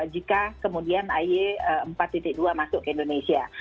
jika kemudian ay empat dua masuk ke indonesia